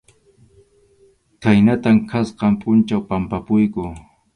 Khaynatam kasqan pʼunchaw pʼampapuyku.